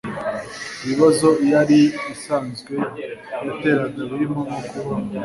ibibazo iyari isanzwe yateraga birimo nko kuba